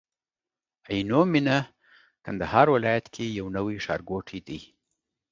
عينو مينه کندهار ولايت کي يو نوي ښارګوټي دي